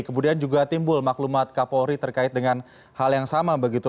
kemudian juga timbul maklumat kapolri terkait dengan hal yang sama begitu